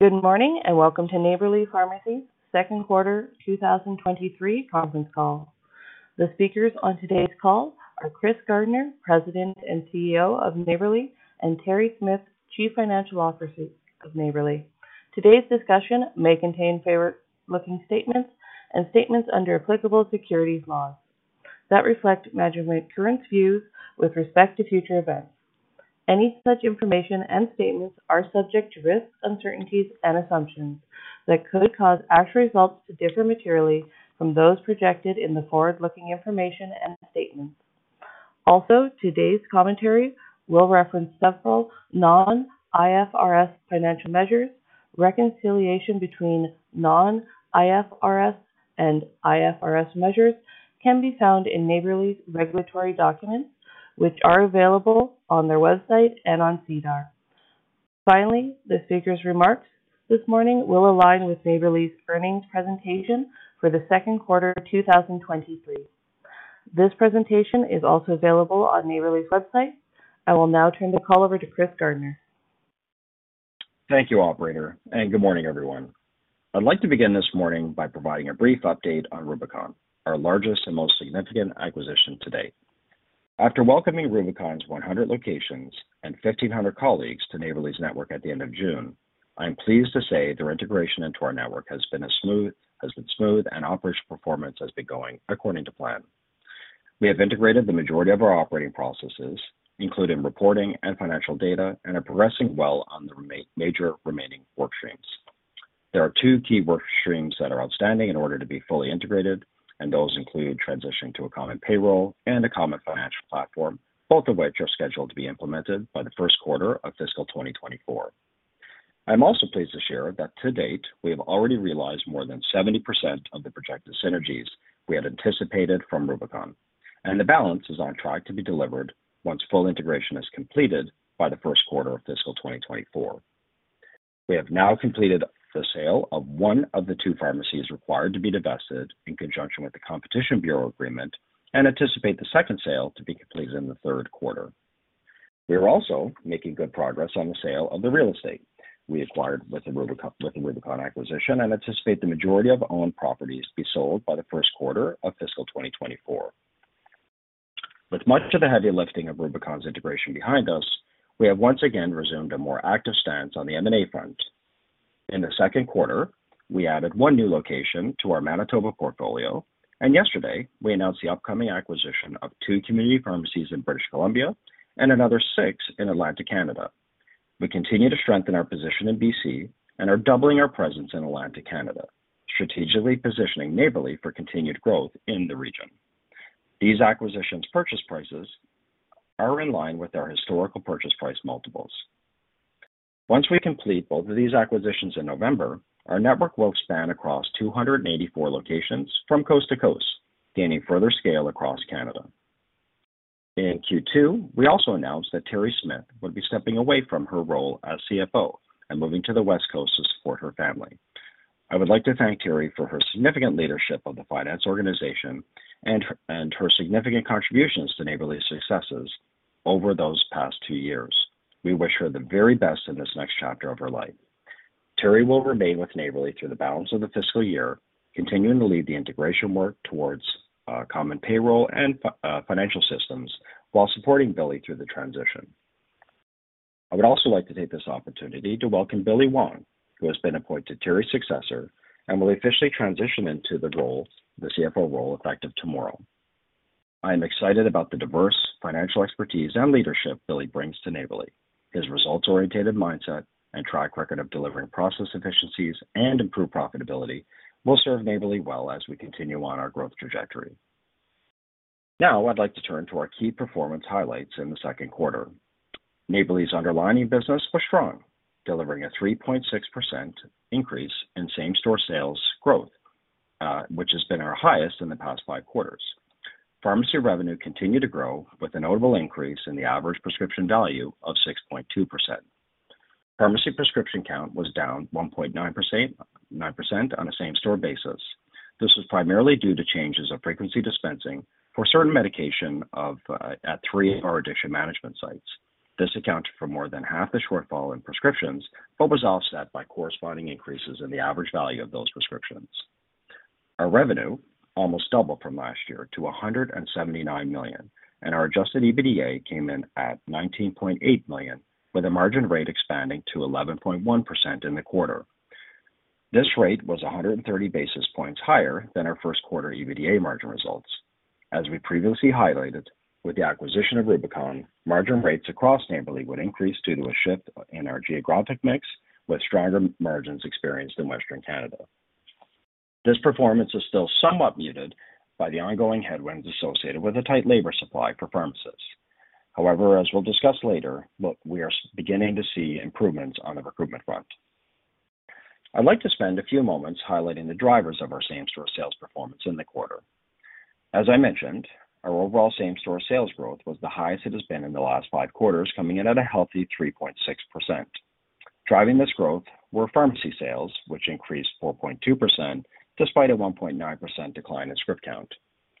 Good morning, and welcome to Neighbourly Pharmacy Second Quarter 2023 Conference Call. The speakers on today's call are Chris Gardner, President and CEO of Neighbourly, and Terri Smith, Chief Financial Officer of Neighbourly. Today's discussion may contain forward-looking statements and statements under applicable securities laws that reflect management's current views with respect to future events. Any such information and statements are subject to risks, uncertainties and assumptions that could cause actual results to differ materially from those projected in the forward-looking information and statements. Today's commentary will reference several non-IFRS financial measures. Reconciliation between non-IFRS and IFRS measures can be found in Neighbourly's regulatory documents, which are available on their website and on SEDAR. The speakers' remarks this morning will align with Neighbourly's earnings presentation for the second quarter 2023. This presentation is also available on Neighbourly's website. I will now turn the call over to Chris Gardner. Thank you, operator, and good morning, everyone. I'd like to begin this morning by providing a brief update on Rubicon, our largest and most significant acquisition to date. After welcoming Rubicon's 100 locations and 1,500 colleagues to Neighbourly's network at the end of June, I am pleased to say their integration into our network has been smooth and operational performance has been going according to plan. We have integrated the majority of our operating processes, including reporting and financial data, and are progressing well on the major remaining work streams. There are two key work streams that are outstanding in order to be fully integrated, and those include transitioning to a common payroll and a common financial platform, both of which are scheduled to be implemented by the first quarter of fiscal 2024. I'm also pleased to share that to date, we have already realized more than 70% of the projected synergies we had anticipated from Rubicon, and the balance is on track to be delivered once full integration is completed by the first quarter of fiscal 2024. We have now completed the sale of one of the two pharmacies required to be divested in conjunction with the Competition Bureau agreement and anticipate the second sale to be completed in the third quarter. We are also making good progress on the sale of the real estate we acquired with the Rubicon acquisition, and anticipate the majority of owned properties to be sold by the first quarter of fiscal 2024. With much of the heavy lifting of Rubicon's integration behind us, we have once again resumed a more active stance on the M&A front. In the second quarter, we added one new location to our Manitoba portfolio, and yesterday we announced the upcoming acquisition of two community pharmacies in British Columbia and another six in Atlantic Canada. We continue to strengthen our position in BC and are doubling our presence in Atlantic Canada, strategically positioning Neighbourly for continued growth in the region. These acquisitions' purchase prices are in line with our historical purchase price multiples. Once we complete both of these acquisitions in November, our network will span across 284 locations from coast to coast, gaining further scale across Canada. In Q2, we also announced that Terri Smith would be stepping away from her role as CFO and moving to the West Coast to support her family. I would like to thank Terri for her significant leadership of the finance organization and her significant contributions to Neighbourly's successes over those past two years. We wish her the very best in this next chapter of her life. Terri will remain with Neighbourly through the balance of the fiscal year, continuing to lead the integration work towards common payroll and financial systems while supporting Billy through the transition. I would also like to take this opportunity to welcome Billy Wong, who has been appointed Terri's successor and will officially transition into the CFO role, effective tomorrow. I am excited about the diverse financial expertise and leadership Billy brings to Neighbourly. His results-oriented mindset and track record of delivering process efficiencies and improved profitability will serve Neighbourly well as we continue on our growth trajectory. Now, I'd like to turn to our key performance highlights in the second quarter. Neighbourly's underlying business was strong, delivering a 3.6% increase in same-store sales growth, which has been our highest in the past five quarters. Pharmacy revenue continued to grow with a notable increase in the average prescription value of 6.2%. Pharmacy prescription count was down 1.9% on a same-store basis. This was primarily due to changes in frequency dispensing for certain medication at three of our addiction management sites. This accounted for more than half the shortfall in prescriptions, but was offset by corresponding increases in the average value of those prescriptions. Our revenue almost doubled from last year to 179 million, and our Adjusted EBITDA came in at 19.8 million, with a margin rate expanding to 11.1% in the quarter. This rate was 130 basis points higher than our first quarter EBITDA margin results. As we previously highlighted, with the acquisition of Rubicon, margin rates across Neighbourly would increase due to a shift in our geographic mix with stronger margins experienced in Western Canada. This performance is still somewhat muted by the ongoing headwinds associated with a tight labor supply for pharmacists. However, as we'll discuss later, look, we are beginning to see improvements on the recruitment front. I'd like to spend a few moments highlighting the drivers of our same-store sales performance in the quarter. As I mentioned, our overall same-store sales growth was the highest it has been in the last five quarters, coming in at a healthy 3.6%. Driving this growth were pharmacy sales, which increased 4.2% despite a 1.9% decline in script count.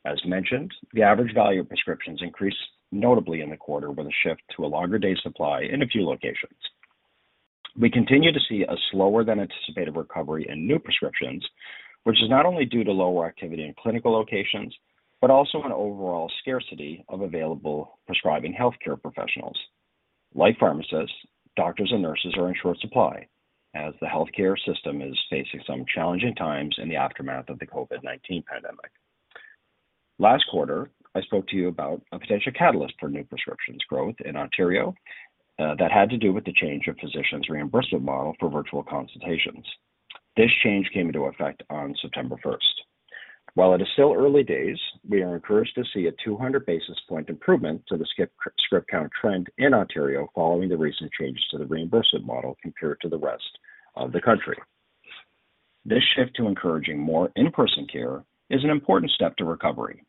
As mentioned, the average value of prescriptions increased notably in the quarter with a shift to a longer day supply in a few locations. We continue to see a slower than anticipated recovery in new prescriptions, which is not only due to lower activity in clinical locations, but also an overall scarcity of available prescribing healthcare professionals. Like pharmacists, doctors and nurses are in short supply as the healthcare system is facing some challenging times in the aftermath of the COVID-19 pandemic. Last quarter, I spoke to you about a potential catalyst for new prescriptions growth in Ontario, that had to do with the change of physicians' reimbursement model for virtual consultations. This change came into effect on September 1st. While it is still early days, we are encouraged to see a 200 basis point improvement to the script count trend in Ontario following the recent changes to the reimbursement model compared to the rest of the country. This shift to encouraging more in-person care is an important step to recovery.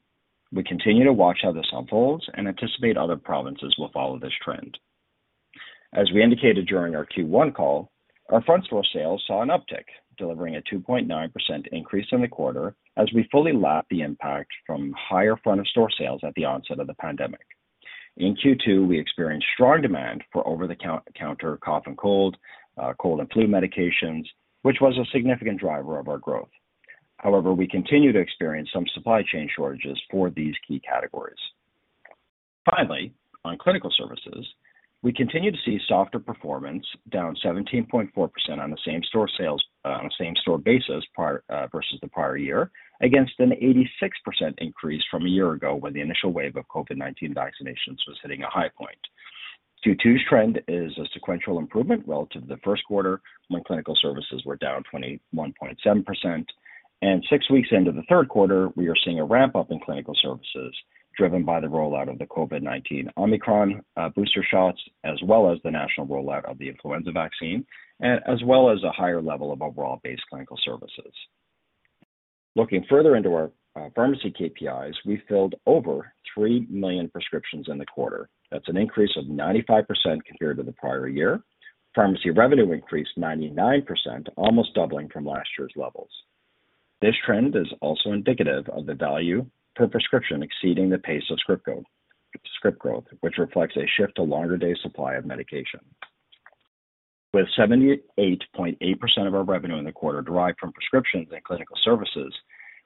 We continue to watch how this unfolds and anticipate other provinces will follow this trend. As we indicated during our Q1 call, our front store sales saw an uptick, delivering a 2.9% increase in the quarter as we fully lap the impact from higher front of store sales at the onset of the pandemic. In Q2, we experienced strong demand for over-the-counter cough and cold and flu medications, which was a significant driver of our growth. However, we continue to experience some supply chain shortages for these key categories. Finally, on clinical services, we continue to see softer performance, down 17.4% on a same-store basis versus the prior year, against an 86% increase from a year ago when the initial wave of COVID-19 vaccinations was hitting a high point. Q2's trend is a sequential improvement relative to the first quarter when clinical services were down 21.7%. Six weeks into the third quarter, we are seeing a ramp-up in clinical services, driven by the rollout of the COVID-19 Omicron booster shots, as well as the national rollout of the influenza vaccine, as well as a higher level of overall base clinical services. Looking further into our pharmacy KPIs, we filled over 3 million prescriptions in the quarter. That's an increase of 95% compared to the prior year. Pharmacy revenue increased 99%, almost doubling from last year's levels. This trend is also indicative of the value per prescription exceeding the pace of script growth, which reflects a shift to longer day supply of medication. With 78.8% of our revenue in the quarter derived from prescriptions and clinical services,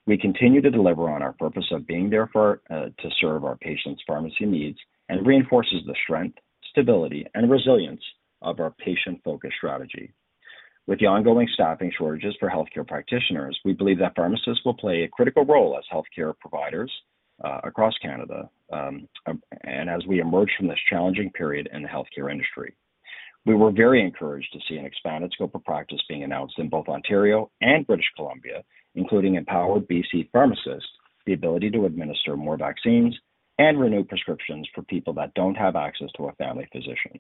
we continue to deliver on our purpose of being there for to serve our patients' pharmacy needs and reinforces the strength, stability, and resilience of our patient-focused strategy. With the ongoing staffing shortages for healthcare practitioners, we believe that pharmacists will play a critical role as healthcare providers across Canada, and as we emerge from this challenging period in the healthcare industry. We were very encouraged to see an expanded scope of practice being announced in both Ontario and British Columbia, including empowering B.C. pharmacists the ability to administer more vaccines and renew prescriptions for people that don't have access to a family physician.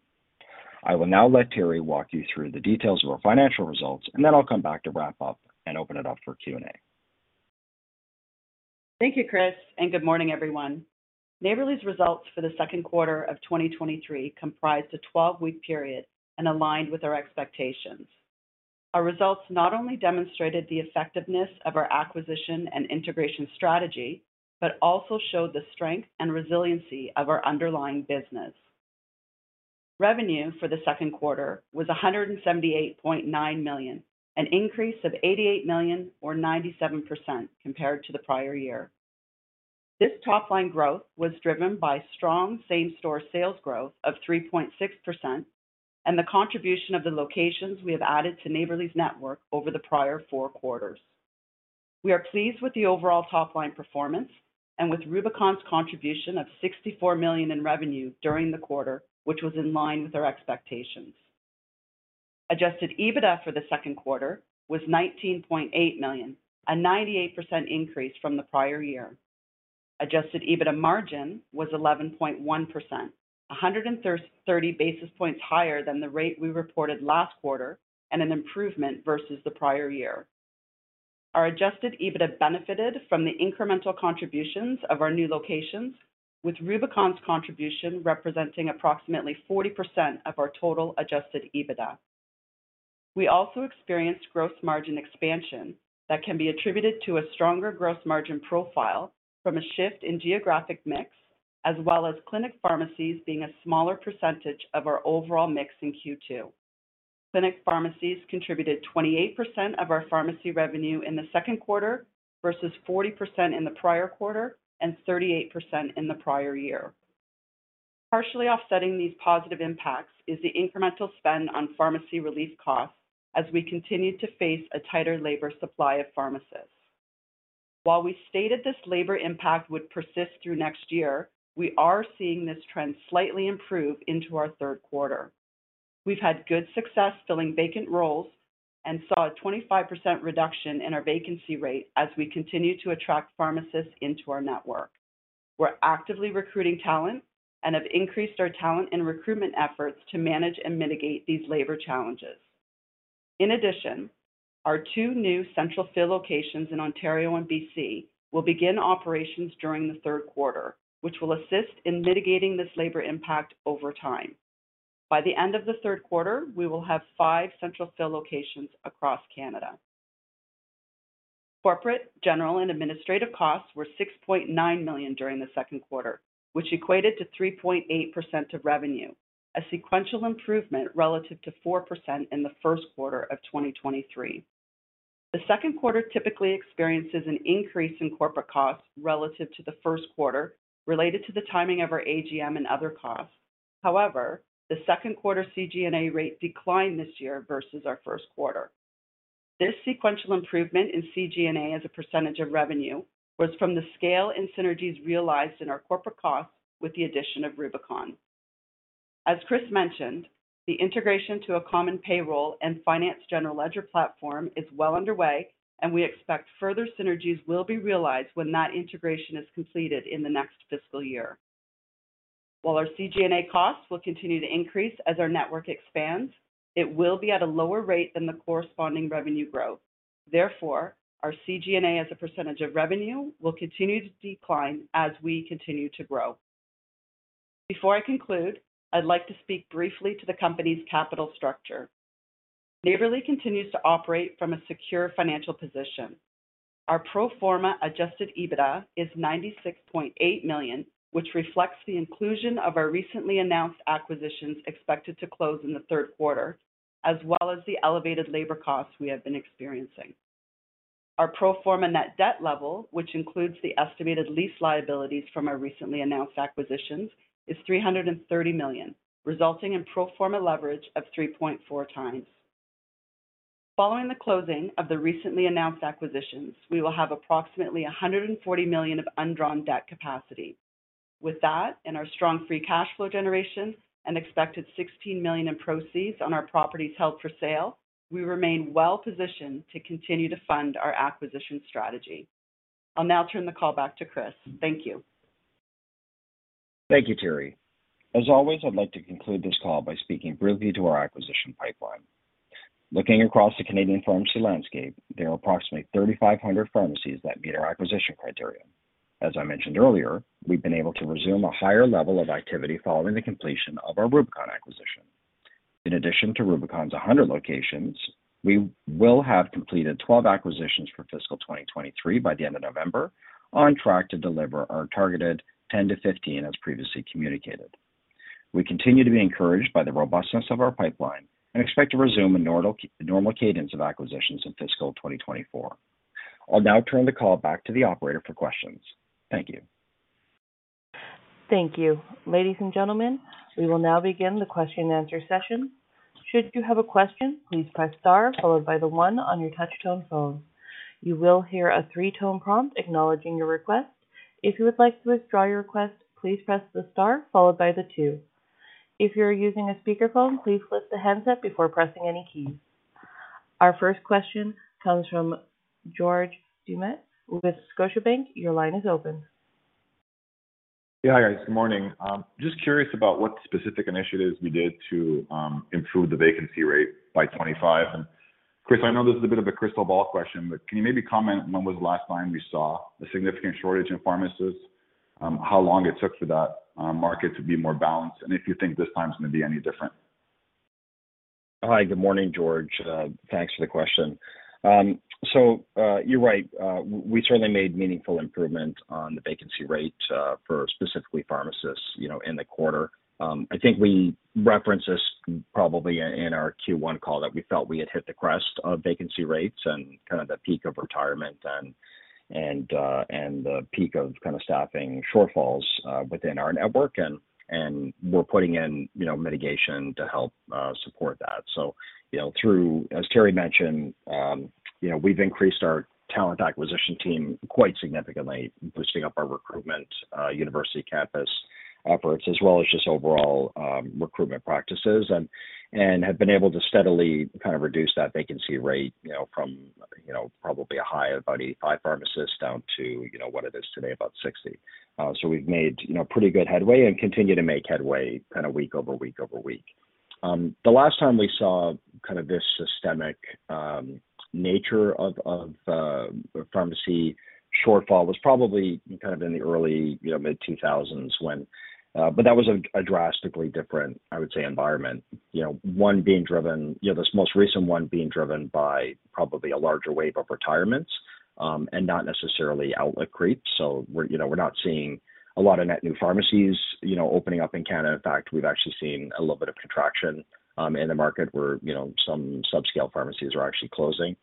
I will now let Terri walk you through the details of our financial results, and then I'll come back to wrap up and open it up for Q&A. Thank you, Chris, and good morning, everyone. Neighbourly's results for the second quarter of 2023 comprised a 12-week period and aligned with our expectations. Our results not only demonstrated the effectiveness of our acquisition and integration strategy, but also showed the strength and resiliency of our underlying business. Revenue for the second quarter was 178.9 million, an increase of 88 million or 97% compared to the prior year. This top-line growth was driven by strong same-store sales growth of 3.6% and the contribution of the locations we have added to Neighbourly's network over the prior four quarters. We are pleased with the overall top-line performance and with Rubicon's contribution of 64 million in revenue during the quarter, which was in line with our expectations. Adjusted EBITDA for the second quarter was 19.8 million, a 98% increase from the prior year. Adjusted EBITDA margin was 11.1%, 130 basis points higher than the rate we reported last quarter and an improvement versus the prior year. Our Adjusted EBITDA benefited from the incremental contributions of our new locations, with Rubicon's contribution representing approximately 40% of our total Adjusted EBITDA. We also experienced gross margin expansion that can be attributed to a stronger gross margin profile from a shift in geographic mix, as well as clinic pharmacies being a smaller percentage of our overall mix in Q2. Clinic pharmacies contributed 28% of our pharmacy revenue in the second quarter versus 40% in the prior quarter and 38% in the prior year. Partially offsetting these positive impacts is the incremental spend on pharmacy relief costs as we continue to face a tighter labor supply of pharmacists. While we stated this labor impact would persist through next year, we are seeing this trend slightly improve into our third quarter. We've had good success filling vacant roles and saw a 25% reduction in our vacancy rate as we continue to attract pharmacists into our network. We're actively recruiting talent and have increased our talent and recruitment efforts to manage and mitigate these labor challenges. In addition, our two new central fill locations in Ontario and BC will begin operations during the third quarter, which will assist in mitigating this labor impact over time. By the end of the third quarter, we will have five central fill locations across Canada. Corporate, general, and administrative costs were 6.9 million during the second quarter, which equated to 3.8% of revenue, a sequential improvement relative to 4% in the first quarter of 2023. The second quarter typically experiences an increase in corporate costs relative to the first quarter related to the timing of our AGM and other costs. However, the second quarter CGNA rate declined this year versus our first quarter. This sequential improvement in CGNA as a percentage of revenue was from the scale and synergies realized in our corporate costs with the addition of Rubicon. As Chris mentioned, the integration to a common payroll and finance general ledger platform is well underway, and we expect further synergies will be realized when that integration is completed in the next fiscal year. While our CGNA costs will continue to increase as our network expands, it will be at a lower rate than the corresponding revenue growth. Therefore, our CGNA as a percentage of revenue will continue to decline as we continue to grow. Before I conclude, I'd like to speak briefly to the company's capital structure. Neighbourly continues to operate from a secure financial position. Our pro forma Adjusted EBITDA is 96.8 million, which reflects the inclusion of our recently announced acquisitions expected to close in the third quarter, as well as the elevated labor costs we have been experiencing. Our pro forma net debt level, which includes the estimated lease liabilities from our recently announced acquisitions, is 330 million, resulting in pro forma leverage of 3.4x. Following the closing of the recently announced acquisitions, we will have approximately 140 million of undrawn debt capacity. With that and our strong free cash flow generation and expected 16 million in proceeds on our properties held for sale, we remain well positioned to continue to fund our acquisition strategy. I'll now turn the call back to Chris. Thank you. Thank you, Terri. As always, I'd like to conclude this call by speaking briefly to our acquisition pipeline. Looking across the Canadian pharmacy landscape, there are approximately 3,500 pharmacies that meet our acquisition criteria. As I mentioned earlier, we've been able to resume a higher level of activity following the completion of our Rubicon acquisition. In addition to Rubicon's 100 locations, we will have completed 12 acquisitions for fiscal 2023 by the end of November, on track to deliver our targeted 10-15 as previously communicated. We continue to be encouraged by the robustness of our pipeline and expect to resume a normal cadence of acquisitions in fiscal 2024. I'll now turn the call back to the operator for questions. Thank you. Thank you. Ladies and gentlemen, we will now begin the question and answer session. Should you have a question, please press star followed by the one on your touch-tone phone. You will hear a three-tone prompt acknowledging your request. If you would like to withdraw your request, please press the star followed by the two. If you're using a speakerphone, please lift the handset before pressing any keys. Our first question comes from George Doumet with Scotiabank. Your line is open. Yeah, hi, guys. Good morning. Just curious about what specific initiatives you did to improve the vacancy rate by 25%. Chris, I know this is a bit of a crystal ball question, but can you maybe comment when was the last time we saw a significant shortage in pharmacists, how long it took for that market to be more balanced, and if you think this time is going to be any different? Hi, good morning, George. Thanks for the question. So, you're right. We certainly made meaningful improvement on the vacancy rate, for specifically pharmacists, you know, in the quarter. I think we referenced this probably in our Q1 call that we felt we had hit the crest of vacancy rates and kind of the peak of retirement and the peak of kind of staffing shortfalls, within our network. We're putting in, you know, mitigation to help support that. You know, through, as Terri mentioned, you know, we've increased our talent acquisition team quite significantly, boosting up our recruitment, university campus efforts, as well as just overall, recruitment practices and have been able to steadily kind of reduce that vacancy rate, you know, from, you know, probably a high of about 85 pharmacists down to, you know, what it is today, about 60. We've made, you know, pretty good headway and continue to make headway kind of week over week over week. The last time we saw kind of this systemic nature of pharmacy shortfall was probably kind of in the early, you know, mid-2000s when but that was a drastically different, I would say, environment. You know, one being driven, you know, this most recent one being driven by probably a larger wave of retirements, and not necessarily outlet creep. We're, you know, we're not seeing a lot of net new pharmacies, you know, opening up in Canada. In fact, we've actually seen a little bit of contraction, in the market where, you know, some subscale pharmacies are actually closing.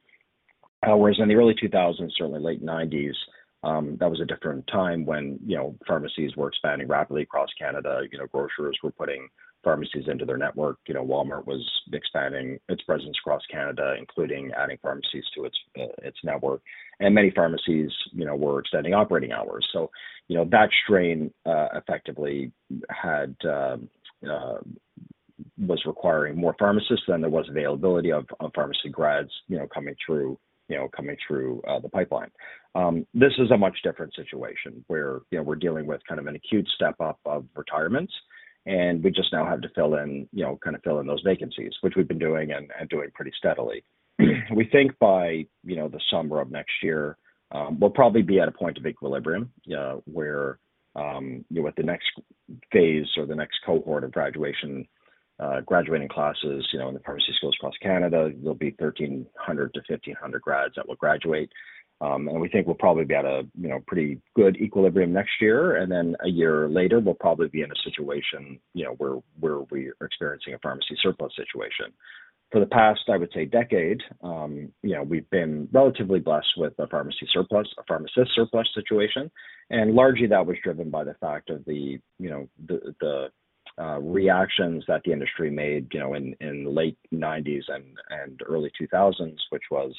Whereas in the early 2000s, certainly late 1990s, that was a different time when, you know, pharmacies were expanding rapidly across Canada. You know, grocers were putting pharmacies into their network. You know, Walmart was expanding its presence across Canada, including adding pharmacies to its network. Many pharmacies, you know, were extending operating hours. You know, that strain effectively had was requiring more pharmacists than there was availability of pharmacy grads, you know, coming through the pipeline. This is a much different situation where, you know, we're dealing with kind of an acute step-up of retirements, and we just now have to fill in, you know, kind of those vacancies, which we've been doing and doing pretty steadily. We think by, you know, the summer of next year, we'll probably be at a point of equilibrium, where, you know, with the next phase or the next cohort of graduating classes, you know, in the pharmacy schools across Canada, there'll be 1,300-1,500 grads that will graduate. We think we'll probably be at a you know pretty good equilibrium next year, and then a year later, we'll probably be in a situation you know where we are experiencing a pharmacy surplus situation. For the past I would say decade you know we've been relatively blessed with a pharmacy surplus, a pharmacist surplus situation. Largely that was driven by the fact that the you know the reactions that the industry made you know in the late 1990s and early 2000s, which was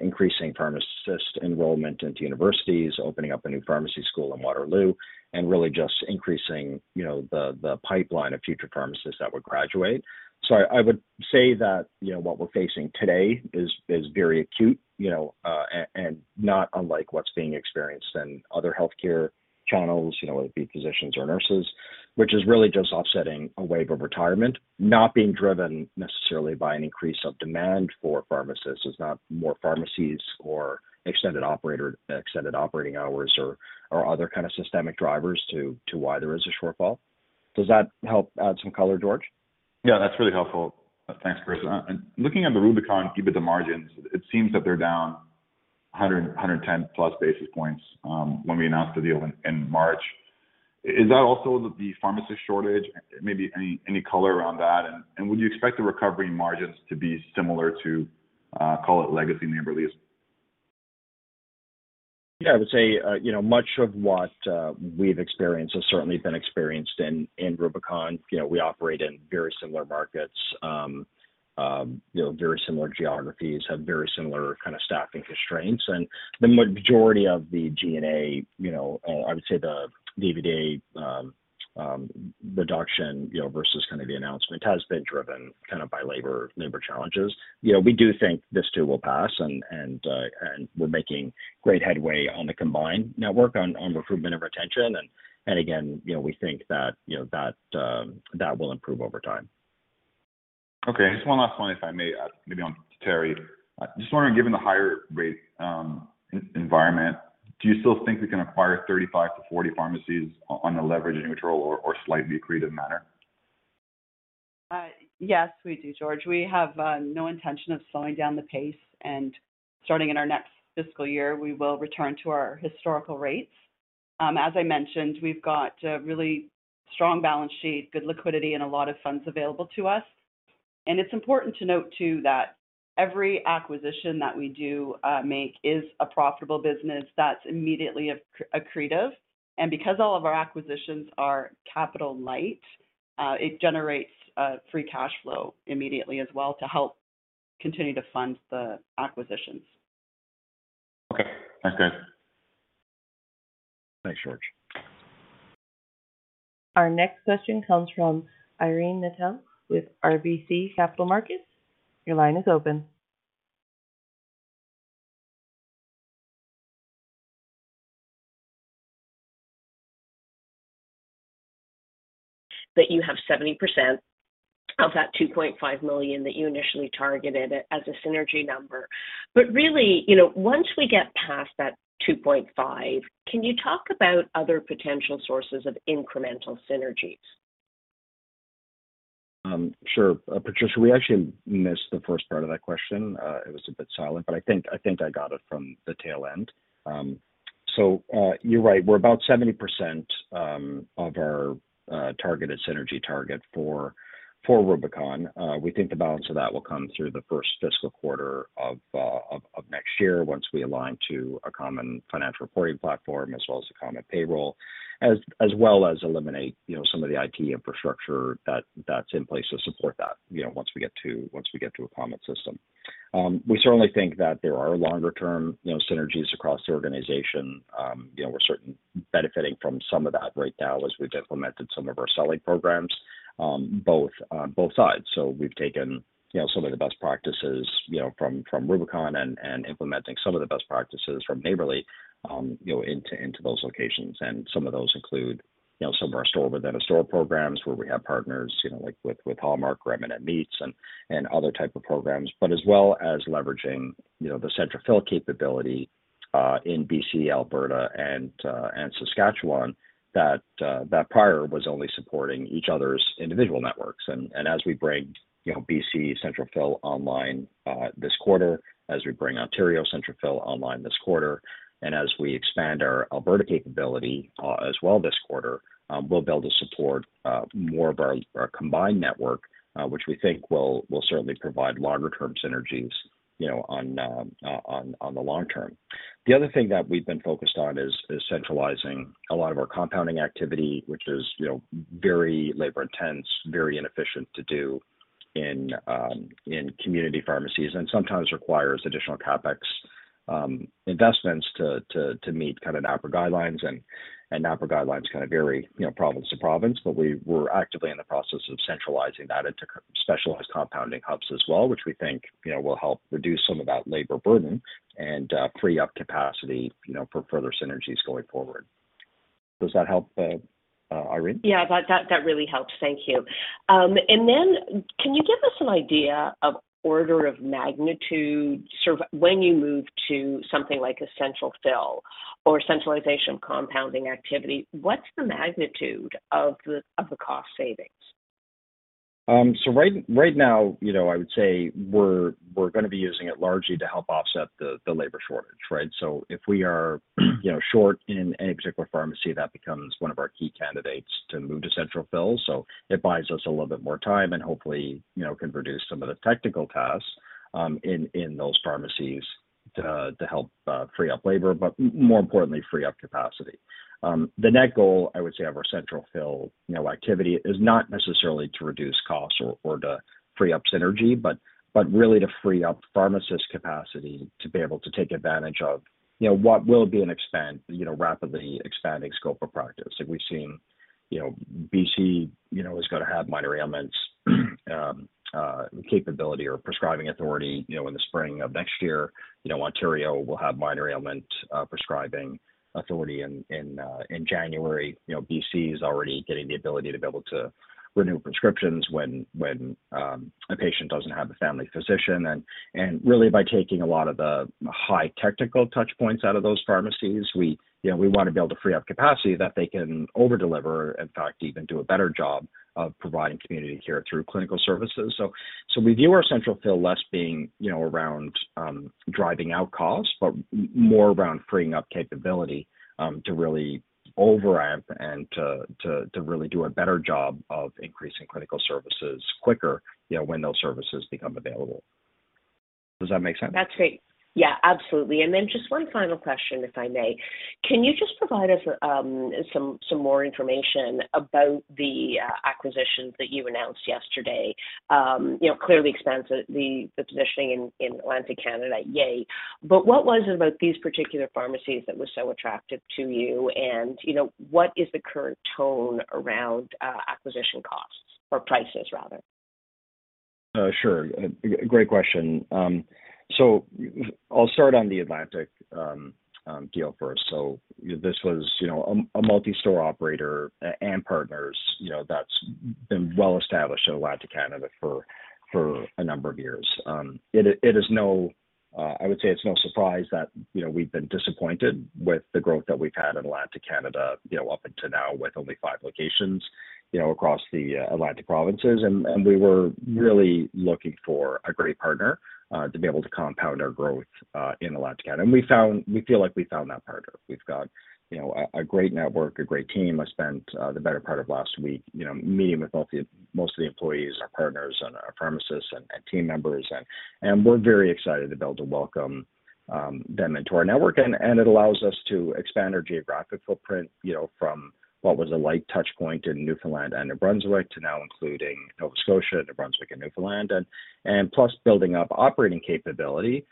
increasing pharmacist enrollment into universities, opening up a new pharmacy school in Waterloo, and really just increasing you know the pipeline of future pharmacists that would graduate. I would say that, you know, what we're facing today is very acute, you know, and not unlike what's being experienced in other healthcare channels, you know, whether it be physicians or nurses, which is really just offsetting a wave of retirement, not being driven necessarily by an increase of demand for pharmacists. It's not more pharmacies or extended operating hours or other kind of systemic drivers to why there is a shortfall. Does that help add some color, George? Yeah, that's really helpful. Thanks, Chris. Looking at the Rubicon EBITDA margins, it seems that they're down 110+ basis points when we announced the deal in March. Is that also the pharmacist shortage? Maybe any color around that? Would you expect the recovery in margins to be similar to, call it legacy Neighbourly's? Yeah. I would say, you know, much of what we've experienced has certainly been experienced in Rubicon. You know, we operate in very similar markets, you know, very similar geographies, have very similar kind of staffing constraints. The majority of the G&A, you know, or I would say the EBITDA, reduction, you know, versus kind of the announcement has been driven kind of by labor challenges. You know, we do think this too will pass and we're making great headway on the combined network on recruitment and retention. Again, you know, we think that, you know, that will improve over time. Okay. Just one last one, if I may, maybe on to Terri. Just wondering, given the higher rate environment, do you still think we can acquire 35-40 pharmacies on a leverage-neutral or slightly accretive manner? Yes, we do, George. We have no intention of slowing down the pace, and starting in our next fiscal year, we will return to our historical rates. As I mentioned, we've got a really strong balance sheet, good liquidity, and a lot of funds available to us. It's important to note too that every acquisition that we do make is a profitable business that's immediately accretive. Because all of our acquisitions are capital light, it generates free cash flow immediately as well to help continue to fund the acquisitions. Okay. Thanks, guys. Thanks, George. Our next question comes from Irene Nattel with RBC Capital Markets. Your line is open. That you have 70% of that 2.5 million that you initially targeted as a synergy number. Really, you know, once we get past that 2.5 million, can you talk about other potential sources of incremental synergies? Sure. Patricia, we actually missed the first part of that question. It was a bit silent, but I think I got it from the tail end. You're right. We're about 70% of our targeted synergy target for Rubicon. We think the balance of that will come through the first fiscal quarter of next year once we align to a common financial reporting platform as well as a common payroll as well as eliminate you know some of the IT infrastructure that's in place to support that you know once we get to a common system. We certainly think that there are longer-term you know synergies across the organization. You know, we're certainly benefiting from some of that right now as we've implemented some of our selling programs on both sides. We've taken, you know, some of the best practices from Rubicon and implementing some of the best practices from Neighbourly, you know, into those locations, and some of those include, you know, some of our store-within-a-store programs where we have partners, you know, like with Hallmark or M&M Meats and other type of programs. As well as leveraging, you know, the central fill capability in BC, Alberta, and Saskatchewan that prior was only supporting each other's individual networks. As we bring BC central fill online this quarter, as we bring Ontario central fill online this quarter, and as we expand our Alberta capability as well this quarter, we'll be able to support more of our combined network, which we think will certainly provide longer-term synergies, you know, on the long term. The other thing that we've been focused on is centralizing a lot of our compounding activity, which is, you know, very labor-intensive, very inefficient to do in community pharmacies and sometimes requires additional CapEx investments to meet kind of NAPRA guidelines and NAPRA guidelines kind of vary, you know, province to province. We're actively in the process of centralizing that into specialized compounding hubs as well, which we think, you know, will help reduce some of that labor burden and free up capacity, you know, for further synergies going forward. Does that help, Irene? Yeah. That really helps. Thank you. Then can you give us an idea of order of magnitude when you move to something like a central fill or centralization of compounding activity, what's the magnitude of the cost savings? Right now, you know, I would say we're gonna be using it largely to help offset the labor shortage, right? If we are, you know, short in any particular pharmacy, that becomes one of our key candidates to move to central fill. It buys us a little bit more time and hopefully, you know, can reduce some of the technical tasks in those pharmacies to help free up labor, but more importantly, free up capacity. The net goal, I would say, of our central fill activity is not necessarily to reduce costs or to free up synergy, but really to free up pharmacist capacity to be able to take advantage of, you know, what will be a rapidly expanding scope of practice. Like we've seen, you know, BC, you know, is gonna have minor ailments capability or prescribing authority, you know, in the spring of next year. You know, Ontario will have minor ailment prescribing authority in January. You know, BC is already getting the ability to be able to renew prescriptions when a patient doesn't have a family physician. Really by taking a lot of the high technical touch points out of those pharmacies, we you know, wanna be able to free up capacity that they can over-deliver, in fact, even do a better job of providing community care through clinical services. We view our central fill as being, you know, around driving out costs, but more around freeing up capability to really ramp up and to really do a better job of increasing clinical services quicker, you know, when those services become available. Does that make sense? That's great. Yeah, absolutely. Just one final question, if I may. Can you just provide us some more information about the acquisitions that you announced yesterday? You know, clearly expands the positioning in Atlantic Canada, yay. But what was it about these particular pharmacies that was so attractive to you? You know, what is the current tone around acquisition costs or prices, rather? Sure. Great question. I'll start on the Atlantic deal first. This was, you know, a multi-store operator and partners, you know, that's been well established in Atlantic Canada for a number of years. It is no surprise that, you know, we've been disappointed with the growth that we've had in Atlantic Canada, you know, up until now, with only five locations, you know, across the Atlantic provinces. We were really looking for a great partner to be able to compound our growth in Atlantic Canada. We feel like we found that partner. We've got, you know, a great network, a great team. I spent the better part of last week, you know, meeting with most of the employees, our partners and our pharmacists and team members. We're very excited to be able to welcome them into our network. It allows us to expand our geographic footprint, you know, from what was a light touch point in Newfoundland and New Brunswick to now including Nova Scotia, New Brunswick and Newfoundland. Plus building up operating capability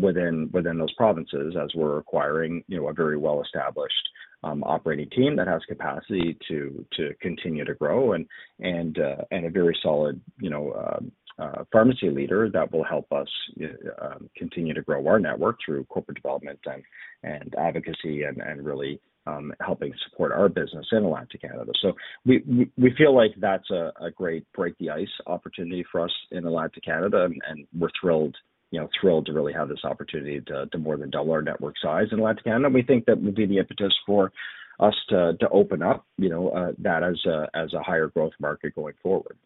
within those provinces as we're acquiring, you know, a very well-established operating team that has capacity to continue to grow and a very solid, you know, pharmacy leader that will help us continue to grow our network through corporate development and advocacy and really helping support our business in Atlantic Canada. We feel like that's a great break the ice opportunity for us in Atlantic Canada, and we're thrilled, you know, to really have this opportunity to more than double our network size in Atlantic Canada. We think that will be the impetus for us to open up, you know, that as a higher growth market going forward.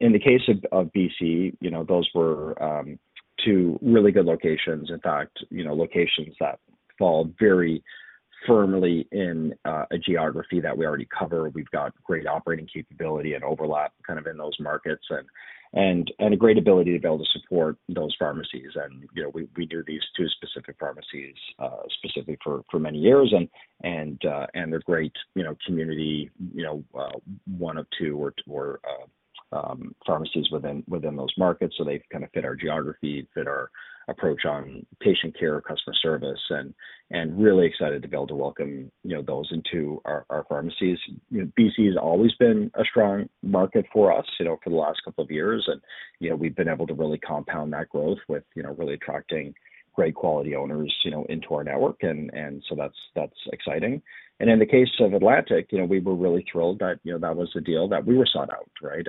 In the case of BC, you know, those were two really good locations, in fact, you know, locations that fall very firmly in a geography that we already cover. We've got great operating capability and overlap kind of in those markets and a great ability to be able to support those pharmacies. You know, we do these two specific pharmacies specifically for many years and they're great community pharmacies, one of two pharmacies within those markets. They kind of fit our geography, fit our approach on patient care, customer service, and really excited to be able to welcome those into our pharmacies. You know, BC has always been a strong market for us for the last couple of years. You know, we've been able to really compound that growth with really attracting great quality owners into our network. So that's exciting. In the case of Atlantic, you know, we were really thrilled that that was a deal that we were sought out, right?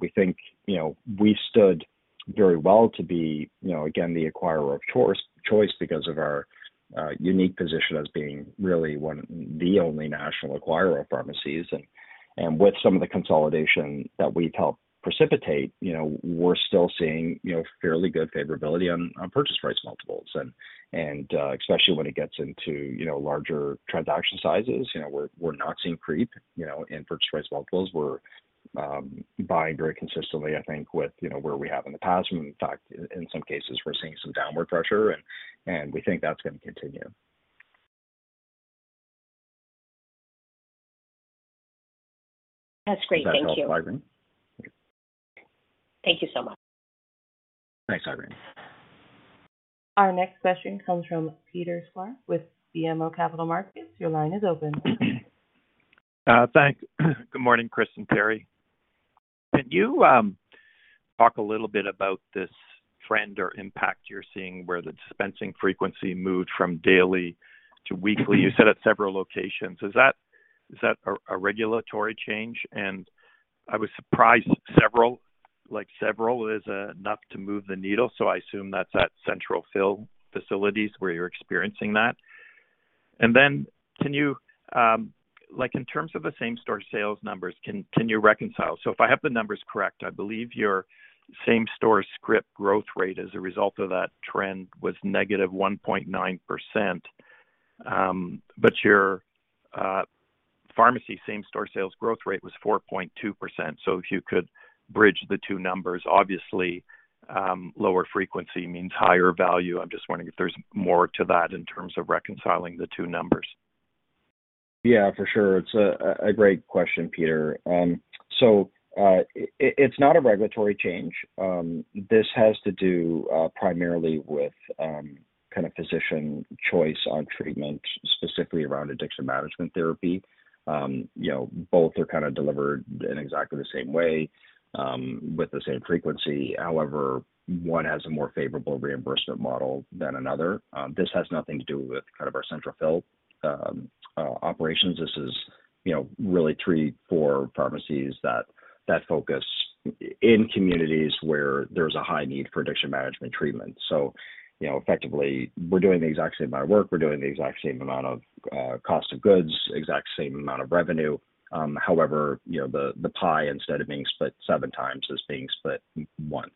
We think, you know, we stood very well to be, you know, again, the acquirer of choice because of our unique position as being really one, the only national acquirer of pharmacies. With some of the consolidation that we help precipitate, you know, we're still seeing, you know, fairly good favorability on purchase price multiples and especially when it gets into, you know, larger transaction sizes. You know, we're not seeing creep, you know, in purchase price multiples. We're buying very consistently, I think, with, you know, where we have in the past. In fact, in some cases, we're seeing some downward pressure and we think that's gonna continue. That's great. Thank you. Does that help, Irene? Thank you so much. Thanks, Irene. Our next question comes from Peter Sklar with BMO Capital Markets. Your line is open. Thanks. Good morning, Chris and Terri. Can you talk a little bit about this trend or impact you're seeing where the dispensing frequency moved from daily to weekly? You said at several locations. Is that a regulatory change? I was surprised several, like, is enough to move the needle, so I assume that's at central fill facilities where you're experiencing that. Can you, like, in terms of the same-store sales numbers, reconcile? If I have the numbers correct, I believe your same-store script growth rate as a result of that trend was -1.9%. But your pharmacy same-store sales growth rate was 4.2%. If you could bridge the two numbers. Obviously, lower frequency means higher value. I'm just wondering if there's more to that in terms of reconciling the two numbers. Yeah, for sure. It's a great question, Peter. It's not a regulatory change. This has to do primarily with kind of physician choice on treatment, specifically around addiction management therapy. You know, both are kind of delivered in exactly the same way with the same frequency. However, one has a more favorable reimbursement model than another. This has nothing to do with kind of our central fill operations. This is, you know, really three, four pharmacies that focus in communities where there's a high need for addiction management treatment. You know, effectively, we're doing the exact same amount of work. We're doing the exact same amount of cost of goods, exact same amount of revenue. However, you know, the pie, instead of being split seven times, is being split once.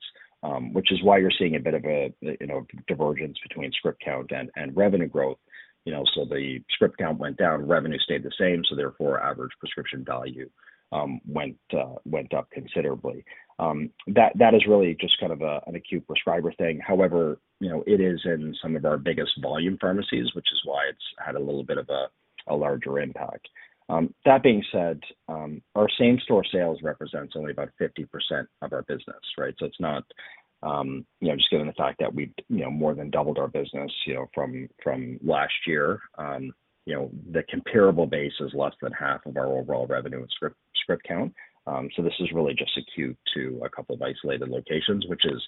which is why you're seeing a bit of a, you know, divergence between script count and revenue growth. You know, the script count went down, revenue stayed the same, so therefore average prescription value went up considerably. That is really just kind of an acute prescriber thing. However, you know, it is in some of our biggest volume pharmacies, which is why it's had a little bit of a larger impact. That being said, our same-store sales represents only about 50% of our business, right? It's not, you know, just given the fact that we've, you know, more than doubled our business, you know, from last year. You know, the comparable base is less than half of our overall revenue and script count. This is really just due to a couple of isolated locations, which is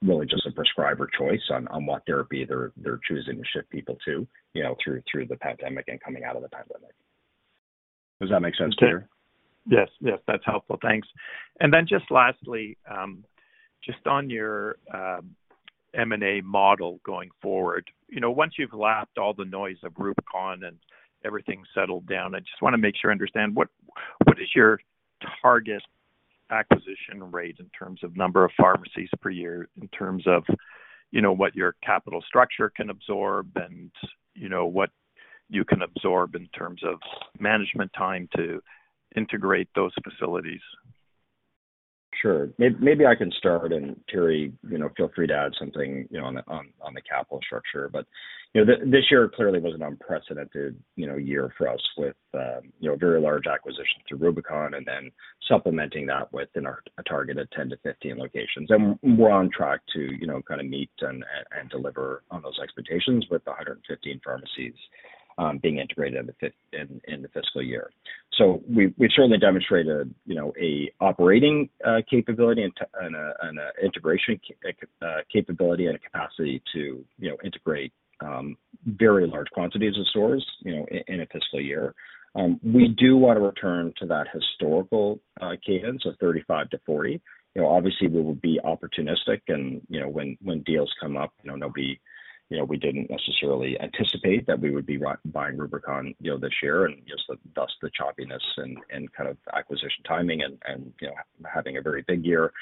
really just a prescriber choice on what therapy they're choosing to shift people to, you know, through the pandemic and coming out of the pandemic. Does that make sense, Peter? Yes. Yes, that's helpful. Thanks. Then just lastly, just on your M&A model going forward. You know, once you've lapped all the noise of Rubicon and everything's settled down, I just wanna make sure I understand: what is your target acquisition rate in terms of number of pharmacies per year, in terms of, you know, what your capital structure can absorb and, you know, what you can absorb in terms of management time to integrate those facilities? Sure. Maybe I can start, and Terri, you know, feel free to add something, you know, on the capital structure. You know, this year clearly was an unprecedented, you know, year for us with, you know, very large acquisition through Rubicon and then supplementing that within our targeted 10-15 locations. We're on track to, you know, kind of meet and deliver on those expectations with the 115 pharmacies being integrated in the fiscal year. We certainly demonstrated, you know, an operating capability and an integration capability and a capacity to, you know, integrate very large quantities of stores, you know, in a fiscal year. We do wanna return to that historical cadence of 35-40. You know, obviously we will be opportunistic and, you know, when deals come up, you know, they'll be, you know, we didn't necessarily anticipate that we would be buying Rubicon, you know, this year and just thus, the choppiness and kind of acquisition timing and, you know, having a very big year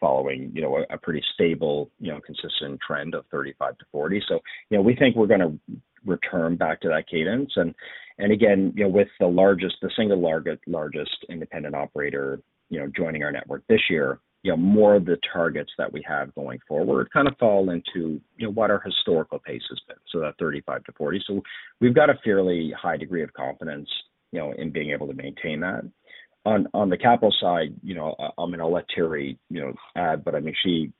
following, you know, a pretty stable, you know, consistent trend of 35-40. You know, we think we're gonna return back to that cadence. Again, you know, with the largest, the single largest independent operator, you know, joining our network this year, you know, more of the targets that we have going forward kind of fall into, you know, what our historical pace has been, so that 35-40. We've got a fairly high degree of confidence, you know, in being able to maintain that. On the capital side, you know, I'm gonna let Terri, you know, add, but I mean, she,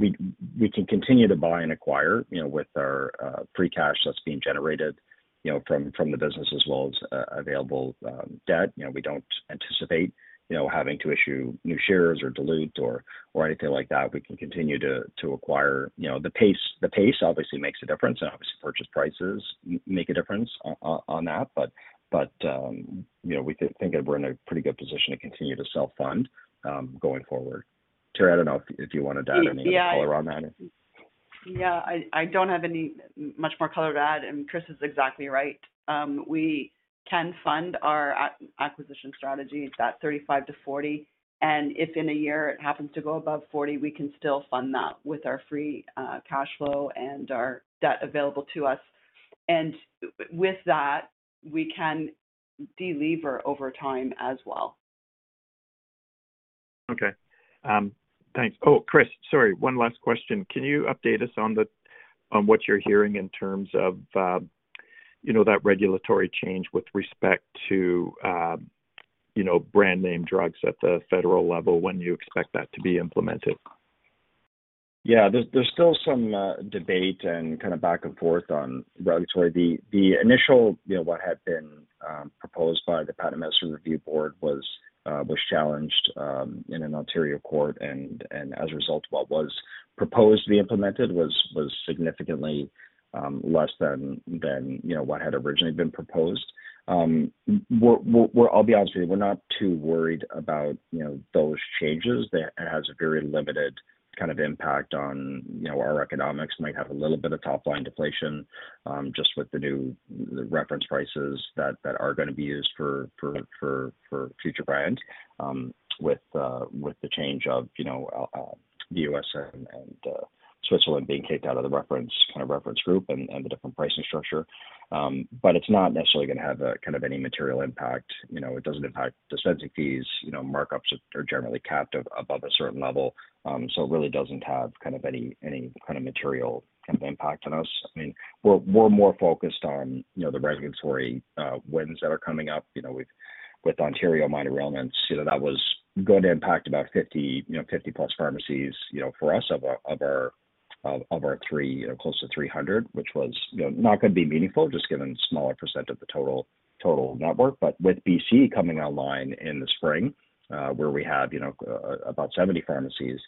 we can continue to buy and acquire, you know, with our free cash that's being generated, you know, from the business as well as available debt. You know, we don't anticipate, you know, having to issue new shares or dilute or anything like that. We can continue to acquire. You know, the pace obviously makes a difference and obviously purchase prices make a difference on that. You know, we think that we're in a pretty good position to continue to self-fund going forward. Terri Smyth, I don't know if you wanna dive any more color on that. Yeah. I don't have much more color to add, and Chris is exactly right. We can fund our acquisition strategy at that 35-40, and if in a year it happens to go above 40, we can still fund that with our free cash flow and our debt available to us. With that, we can delever over time as well. Okay. Thanks. Oh, Chris, sorry, one last question. Can you update us on what you're hearing in terms of, you know, that regulatory change with respect to, you know, brand name drugs at the federal level? When do you expect that to be implemented? Yeah. There's still some kinda back and forth on regulatory. The initial, you know, what had been proposed by the Patented Medicine Prices Review Board was challenged in an Ontario court. As a result, what was proposed to be implemented was significantly less than, you know, what had originally been proposed. We're not too worried about, you know, those changes. That has a very limited kind of impact on, you know, our economics. Might have a little bit of top-line deflation, just with the new reference prices that are gonna be used for future brands, with the change of, you know, the U.S. and Switzerland being kicked out of the reference group and the different pricing structure. It's not necessarily gonna have kind of any material impact. You know, it doesn't impact dispensing fees. You know, markups are generally capped above a certain level. It really doesn't have kind of any kind of material kind of impact on us. I mean, we're more focused on, you know, the regulatory wins that are coming up, you know, with Ontario minor ailments. You know, that was going to impact about 50, you know, 50+ pharmacies, you know, for us of our 300, which was, you know, not gonna be meaningful just given smaller percent of the total network. With BC coming online in the spring, where we have, you know, about 70 pharmacies.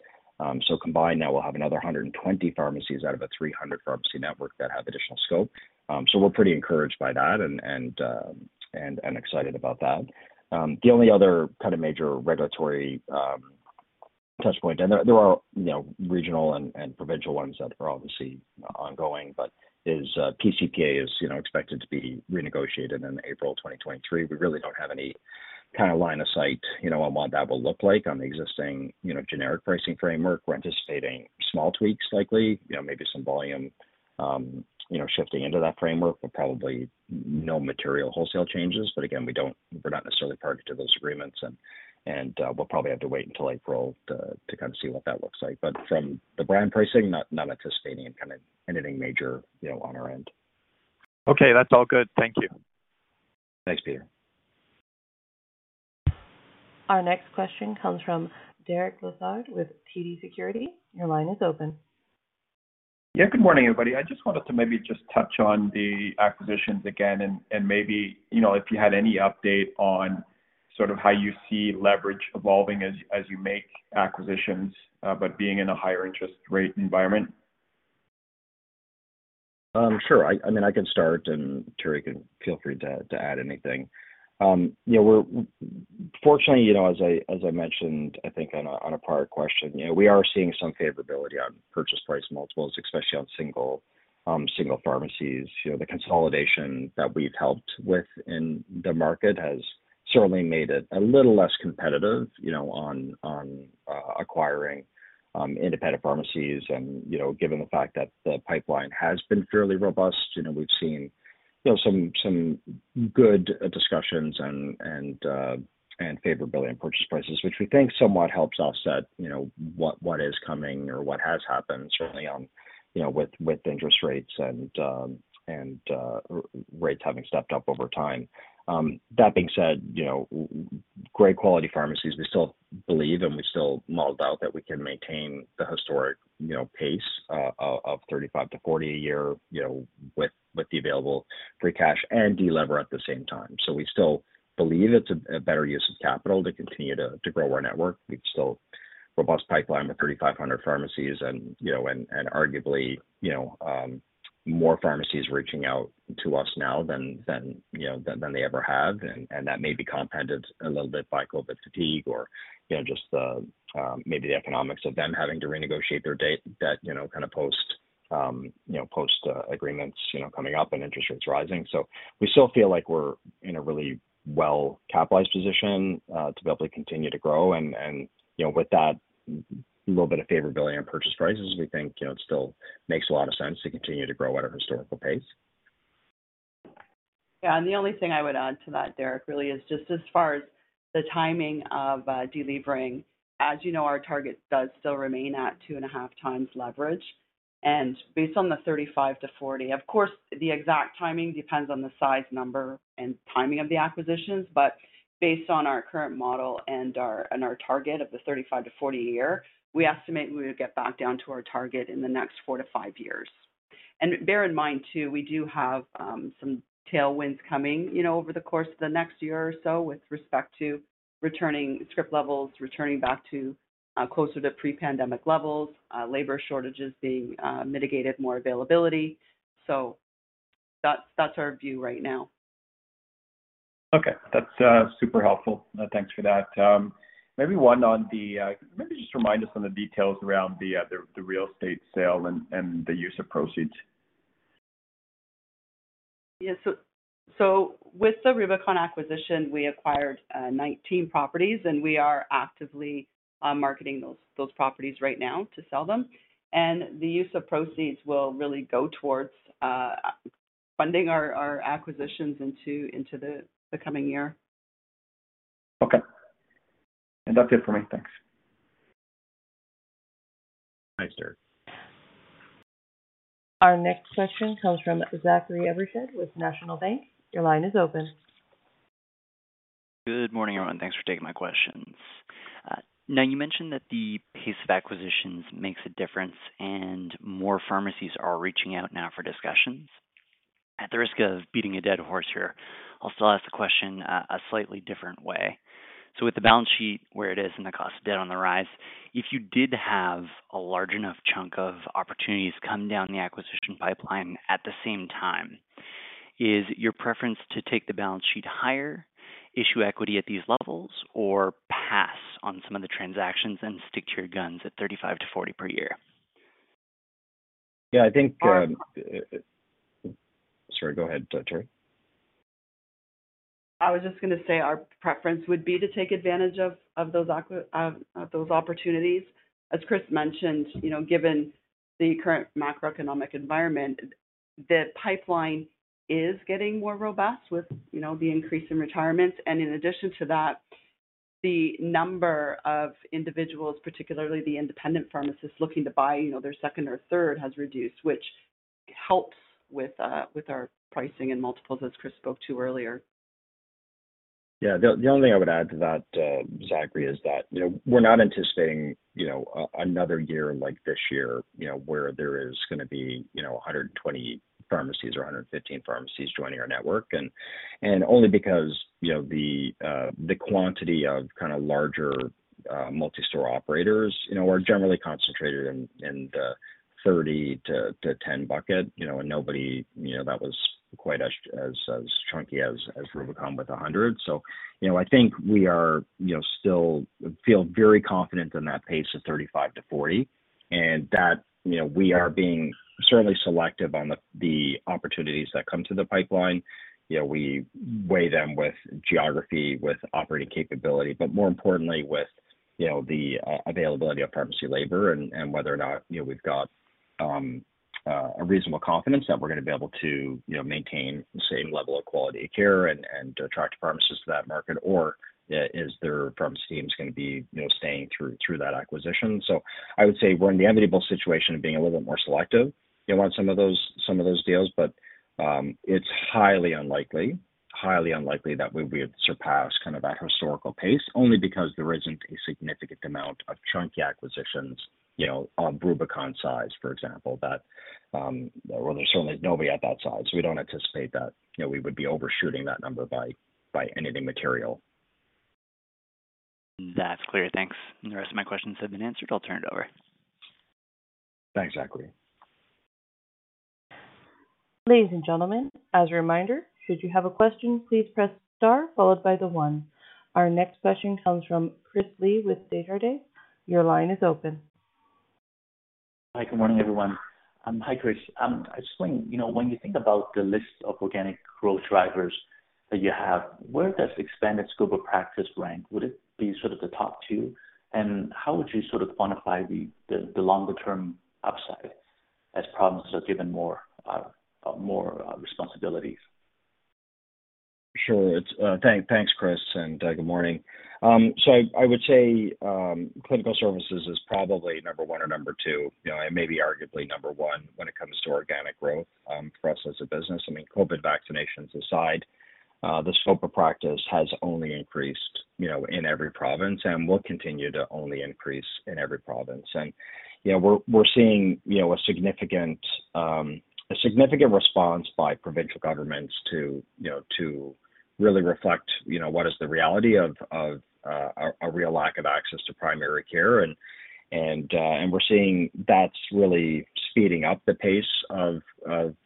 Combined now we'll have another 120 pharmacies out of a 300 pharmacy network that have additional scope. We're pretty encouraged by that and excited about that. The only other kind of major regulatory touchpoint, and there are, you know, regional and provincial ones that are obviously ongoing, but pCPA is, you know, expected to be renegotiated in April 2023. We really don't have any kind of line of sight, you know, on what that will look like on the existing, you know, generic pricing framework. We're anticipating small tweaks likely, you know, maybe some volume, you know, shifting into that framework, but probably no material wholesale changes. Again, we're not necessarily party to those agreements and, we'll probably have to wait until April to kind of see what that looks like. From the brand pricing, not anticipating kind of anything major, you know, on our end. Okay. That's all good. Thank you. Thanks, Peter. Our next question comes from Derek Lessard with TD Securities. Your line is open. Yeah. Good morning, everybody. I just wanted to maybe just touch on the acquisitions again and maybe, you know, if you had any update on sort of how you see leverage evolving as you make acquisitions, but being in a higher interest rate environment. Sure. I mean, I can start, and Terri can feel free to add anything. You know, we're fortunately, you know, as I mentioned, I think on a prior question, you know, we are seeing some favorability on purchase price multiples, especially on single pharmacies. You know, the consolidation that we've helped with in the market has certainly made it a little less competitive, you know, on acquiring independent pharmacies. You know, given the fact that the pipeline has been fairly robust, you know, we've seen, you know, some good discussions and favorability on purchase prices, which we think somewhat helps offset, you know, what is coming or what has happened certainly on, you know, with interest rates and our rates having stepped up over time. That being said, you know, great quality pharmacies, we still believe and we still model out that we can maintain the historic, you know, pace of 35 to 40 a year, you know, with the available free cash and delever at the same time. We still believe it's a better use of capital to continue to grow our network. We still have a robust pipeline with 3,500 pharmacies and, you know, and arguably, you know, more pharmacies reaching out to us now than, you know, than they ever have. That may be compounded a little bit by COVID fatigue or, you know, just maybe the economics of them having to renegotiate their debt, you know, kind of post agreements coming up and interest rates rising. We still feel like we're in a really well-capitalized position to be able to continue to grow. With that little bit of favorability on purchase prices, we think, you know, it still makes a lot of sense to continue to grow at a historical pace. Yeah. The only thing I would add to that, Derek, really, is just as far as the timing of delevering, as you know, our target does still remain at 2.5x leverage. Based on the 35-40, of course, the exact timing depends on the size, number, and timing of the acquisitions, but based on our current model and our target of the 35-40 a year, we estimate we would get back down to our target in the next four-five years. Bear in mind too, we do have some tailwinds coming, you know, over the course of the next year or so with respect to returning script levels, returning back to closer to pre-pandemic levels, labor shortages being mitigated, more availability. That's our view right now. Okay. That's super helpful. Thanks for that. Maybe just remind us on the details around the real estate sale and the use of proceeds. With the Rubicon acquisition, we acquired 19 properties, and we are actively marketing those properties right now to sell them. The use of proceeds will really go towards funding our acquisitions into the coming year. Okay. That's it for me. Thanks. Thanks, Derek. Our next question comes from Zachary Evershed with National Bank. Your line is open. Good morning, everyone. Thanks for taking my questions. Now, you mentioned that the pace of acquisitions makes a difference and more pharmacies are reaching out now for discussions. At the risk of beating a dead horse here, I'll still ask the question a slightly different way. With the balance sheet where it is and the cost of debt on the rise, if you did have a large enough chunk of opportunities come down the acquisition pipeline at the same time, is your preference to take the balance sheet higher, issue equity at these levels, or pass on some of the transactions and stick to your guns at 35-40 per year? Yeah, I think, sorry, go ahead, Terri. I was just gonna say our preference would be to take advantage of those opportunities. As Chris mentioned, you know, given the current macroeconomic environment, the pipeline is getting more robust with, you know, the increase in retirements. In addition to that, the number of individuals, particularly the independent pharmacists looking to buy, you know, their second or third, has reduced, which helps with our pricing and multiples, as Chris spoke to earlier. Yeah. The only thing I would add to that, Zachary, is that, you know, we're not anticipating, you know, another year like this year, you know, where there is gonna be, you know, 120 pharmacies or 115 pharmacies joining our network. And only because, you know, the quantity of kind of larger multi-store operators, you know, are generally concentrated in the 30-10 bucket, you know. And nobody, you know, that was quite as chunky as Rubicon with 100. So, you know, I think we are, you know, still feel very confident in that pace of 35-40, and that, you know, we are being certainly selective on the opportunities that come to the pipeline. You know, we weigh them with geography, with operating capability, but more importantly with, you know, the availability of pharmacy labor and whether or not, you know, we've got a reasonable confidence that we're gonna be able to, you know, maintain the same level of quality of care and attract pharmacists to that market. Is there pharmacy teams gonna be, you know, staying through that acquisition. I would say we're in the enviable situation of being a little bit more selective, you know, on some of those deals. It's highly unlikely that we would surpass kind of that historical pace only because there isn't a significant amount of chunky acquisitions, you know, of Rubicon size, for example, that or there's certainly nobody at that size. We don't anticipate that, you know, we would be overshooting that number by anything material. That's clear. Thanks. The rest of my questions have been answered. I'll turn it over. Thanks, Zachary. Ladies and gentlemen, as a reminder, should you have a question, please press star followed by the one. Our next question comes from Chris Li with Desjardins. Your line is open. Hi. Good morning, everyone. Hi, Chris. I was just wondering, you know, when you think about the list of organic growth drivers that you have, where does expanded scope of practice rank? Would it be sort of the top two? How would you sort of quantify the longer term upside as provinces are given more responsibilities? Sure. Thanks, Chris, and good morning. I would say clinical services is probably number one or number two, you know, and maybe arguably number one when it comes to organic growth for us as a business. I mean, COVID vaccinations aside, the scope of practice has only increased, you know, in every province and will continue to only increase in every province. You know, we're seeing a significant response by provincial governments to really reflect what is the reality of a real lack of access to primary care. We're seeing that's really speeding up the pace of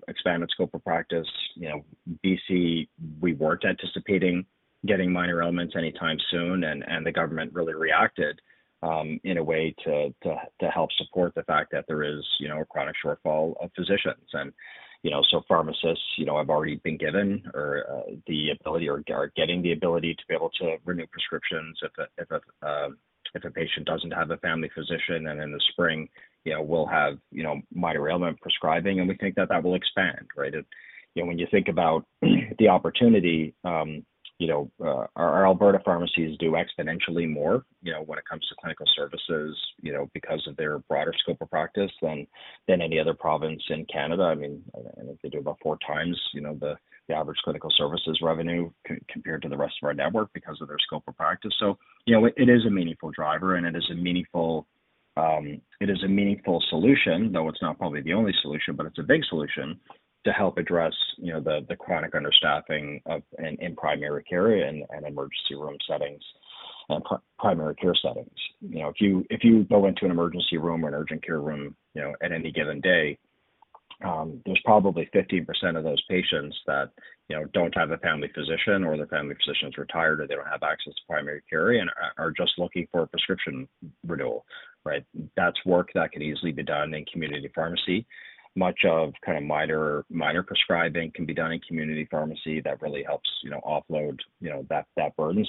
expanded scope of practice. You know, BC, we weren't anticipating getting minor ailments anytime soon, and the government really reacted in a way to help support the fact that there is, you know, a chronic shortfall of physicians. You know, so pharmacists, you know, have already been given the ability or are getting the ability to be able to renew prescriptions if a patient doesn't have a family physician. In the spring, you know, we'll have, you know, minor ailment prescribing, and we think that that will expand, right? You know, when you think about the opportunity, you know, our Alberta pharmacies do exponentially more, you know, when it comes to clinical services, you know, because of their broader scope of practice than any other province in Canada. I mean, I think they do about four times, you know, the average clinical services revenue compared to the rest of our network because of their scope of practice. You know, it is a meaningful driver, and it is a meaningful solution, though it's not probably the only solution, but it's a big solution to help address, you know, the chronic understaffing in primary care and emergency room settings and primary care settings. You know, if you go into an emergency room or an urgent care room, you know, at any given day, there's probably 50% of those patients that, you know, don't have a family physician or their family physician's retired or they don't have access to primary care and are just looking for a prescription renewal, right? That's work that could easily be done in community pharmacy. Much of kind of minor prescribing can be done in community pharmacy that really helps, you know, offload, you know, that burden.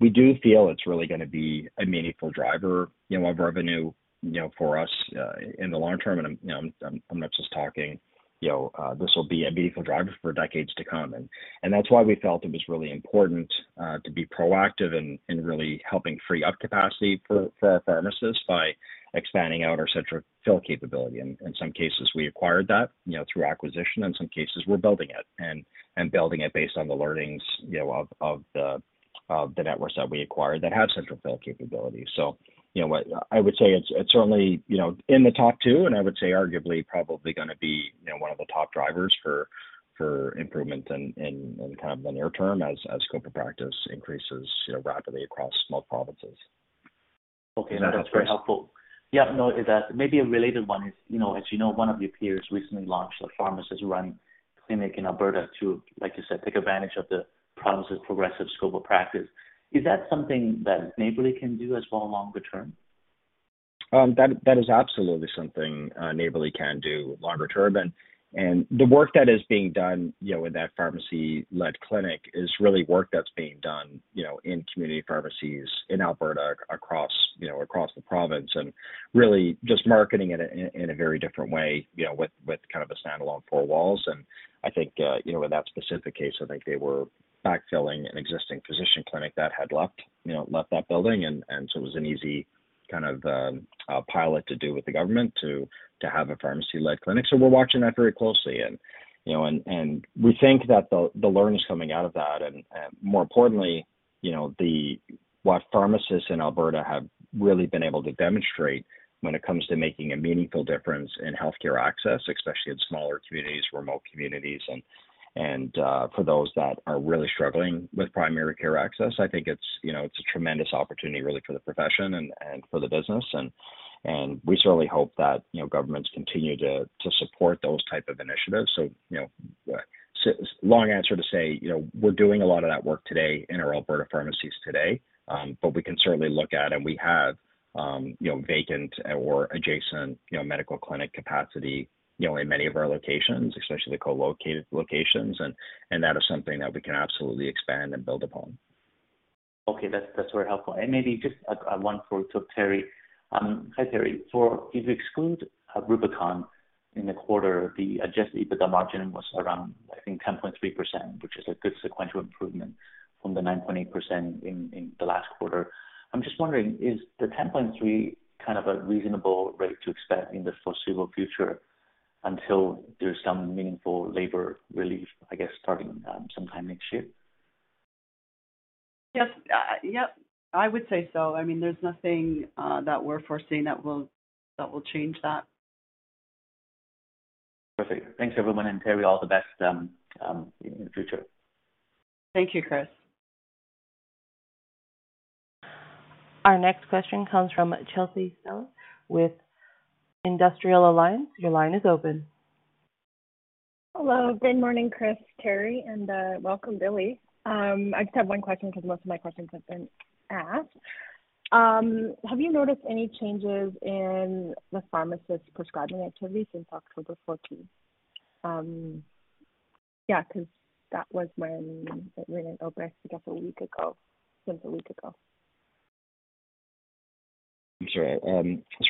We do feel it's really gonna be a meaningful driver, you know, of revenue, you know, for us in the long term. I'm not just talking, you know, this will be a meaningful driver for decades to come. That's why we felt it was really important to be proactive in really helping free up capacity for pharmacists by expanding out our central fill capability. In some cases, we acquired that, you know, through acquisition. In some cases, we're building it and building it based on the learnings, you know, of the networks that we acquired that have central fill capabilities. You know what? I would say it's certainly, you know, in the top two, and I would say arguably probably gonna be, you know, one of the top drivers for improvement in kind of the near term as scope of practice increases, you know, rapidly across multiple provinces. Okay. Does that help, Chris? That's very helpful. Yeah, no. Maybe a related one is, you know, as you know, one of your peers recently launched a pharmacist-run clinic in Alberta to, like you said, take advantage of the province's progressive scope of practice. Is that something that Neighbourly can do as well longer term? That is absolutely something Neighbourly can do longer term. The work that is being done, you know, with that pharmacy-led clinic is really work that's being done, you know, in community pharmacies in Alberta across the province, and really just marketing it in a very different way, you know, with kind of a standalone four walls. I think, you know, with that specific case, I think they were backfilling an existing physician clinic that had left that building. And so it was an easy kind of pilot to do with the government to have a pharmacy-led clinic. We're watching that very closely. You know, we think that the learnings coming out of that and more importantly, you know, what pharmacists in Alberta have really been able to demonstrate when it comes to making a meaningful difference in healthcare access, especially in smaller communities, remote communities, and for those that are really struggling with primary care access, I think it's, you know, it's a tremendous opportunity really for the profession and for the business. We certainly hope that, you know, governments continue to support those type of initiatives. You know, long answer to say, you know, we're doing a lot of that work today in our Alberta pharmacies. We can certainly look at, and we have, you know, vacant or adjacent, you know, medical clinic capacity, you know, in many of our locations, especially the co-located locations. That is something that we can absolutely expand and build upon. Okay. That's very helpful. Maybe just a question for Terri. Hi, Terri. If you exclude Rubicon in the quarter, the Adjusted EBITDA margin was around, I think, 10.3%, which is a good sequential improvement from the 9.8% in the last quarter. I'm just wondering, is the 10.3 kind of a reasonable rate to expect in the foreseeable future until there's some meaningful labor relief, I guess, starting sometime next year? Yes. Yep. I would say so. I mean, there's nothing that we're foreseeing that will change that. Perfect. Thanks everyone, and Terri, all the best, in the future. Thank you, Chris. Our next question comes from Chelsea Stellick with Industrial Alliance. Your line is open. Hello. Good morning, Chris, Terri, and welcome, Billy. I just have one question because most of my questions have been asked. Have you noticed any changes in the pharmacist prescribing activity since October 14th? Yeah, 'cause that was when it went over, I guess, a week ago. It was a week ago. I'm sorry.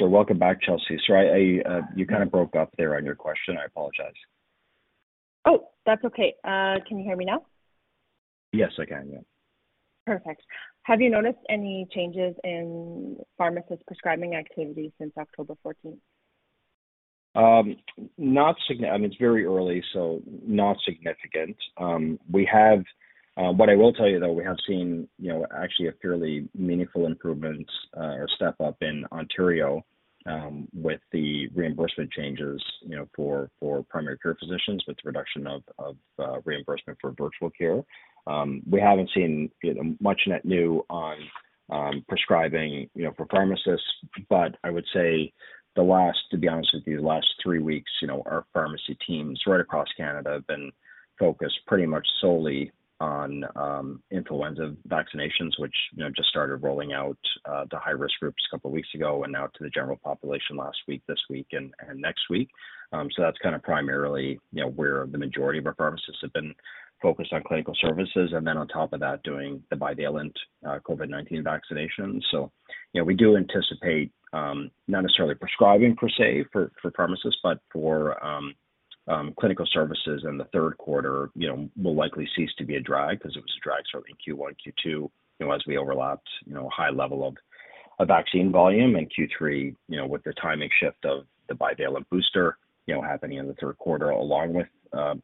Welcome back, Chelsea. Sorry, you kind of broke up there on your question. I apologize. Oh, that's okay. Can you hear me now? Yes, I can. Yeah. Perfect. Have you noticed any changes in pharmacist prescribing activity since October 14th? I mean, it's very early, so not significant. We have what I will tell you, though, we have seen, you know, actually a fairly meaningful improvement or step-up in Ontario with the reimbursement changes, you know, for primary care physicians with the reduction of reimbursement for virtual care. We haven't seen, you know, much net new on prescribing, you know, for pharmacists, but I would say the last, to be honest with you, the last three weeks, you know, our pharmacy teams right across Canada have been focused pretty much solely on influenza vaccinations, which, you know, just started rolling out to high-risk groups a couple weeks ago and now to the general population last week, this week and next week. That's kind of primarily, you know, where the majority of our pharmacists have been focused on clinical services, and then on top of that, doing the bivalent COVID-19 vaccination. We do anticipate, you know, not necessarily prescribing per se for pharmacists, but for clinical services in the third quarter, you know, will likely cease to be a drag 'cause it was a drag certainly in Q1, Q2, you know, as we overlapped, you know, high level of vaccine volume. In Q3, you know, with the timing shift of the bivalent booster, you know, happening in the third quarter, along with